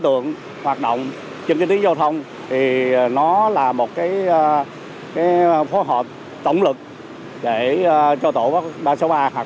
tượng hoạt động trên kinh tế giao thông thì nó là một cái phối hợp tổng lực để cho tổ ba trăm sáu mươi ba hoạt